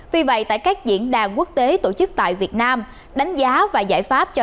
vì vậy tại các diễn đàn quốc tế tổ chức tại việt nam đánh giá và giải pháp cho